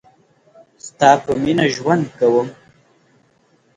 ستا په میینه ژوند کوم